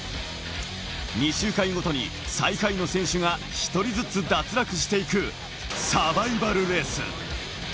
２周回ごとに最下位の選手が１人ずつ脱落していくサバイバルレース。